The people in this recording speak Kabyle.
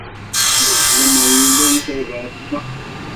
Riɣ lemmer yella deg terbaɛt-nneɣ.